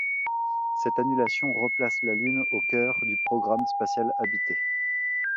Cette annulation replace la Lune au cœur du programme spatial habité.